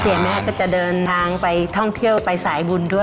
แม่ก็จะเดินทางไปท่องเที่ยวไปสายบุญด้วย